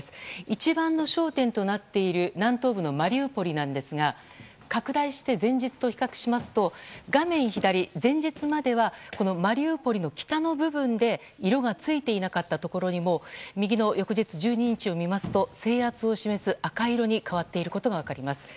一番の焦点となっている南東部のマリウポリなんですが拡大して前日と比較しますと画面左、前日まではマリウポリの北の部分で色がついていなかったところにも右の翌日、１２日を見ますと制圧を示す赤色に変わっていることが分かります。